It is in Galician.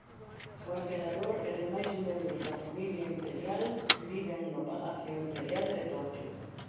O emperador e demais membros da familia imperial viven no Palacio Imperial de Toquio.